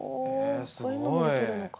こういうのもできるのか。